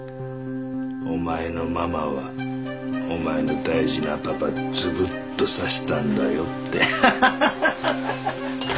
お前のママはお前の大事なパパズブッと刺したんだよってハハハッ！